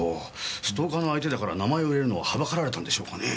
ストーカーの相手だから名前を入れるのを憚られたんでしょうかねぇ。